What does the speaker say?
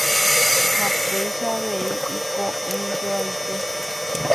Ha péicha avei iko'ẽjoaite.